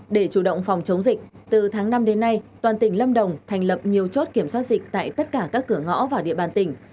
để chủ động phòng chống dịch từ tháng năm đến nay toàn tỉnh lâm đồng thành lập nhiều chốt kiểm soát dịch tại tất cả các cửa ngõ vào địa bàn tỉnh